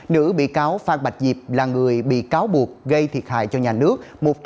nữ bị cáo phan bạch diệp là người bị cáo buộc gây thiệt hại cho nhà nước